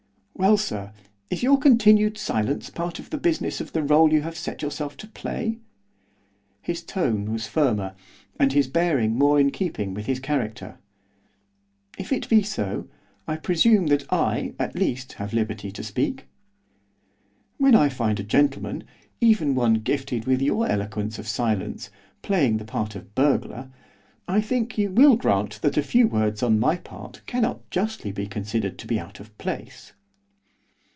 'Well, sir, is your continued silence part of the business of the rôle you have set yourself to play?' His tone was firmer, and his bearing more in keeping with his character. 'If it be so, I presume that I, at least have liberty to speak. When I find a gentleman, even one gifted with your eloquence of silence, playing the part of burglar, I think you will grant that a few words on my part cannot justly be considered to be out of place.